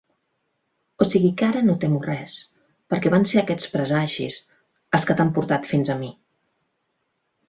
O sigui que ara no temo res, perquè van ser aquests presagis els que t'han portat fins a mi.